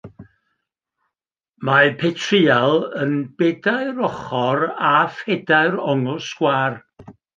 Mae petryal yn bedair ochr â phedair ongl sgwâr.